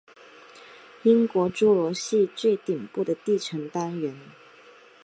英国侏罗系最顶部的地层单元。